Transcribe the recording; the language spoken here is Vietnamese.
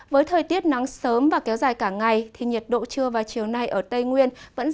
với thời tiết nắng sớm và kéo dài cả ngày thì nhiệt độ trưa và chiều nay ở tây nguyên vẫn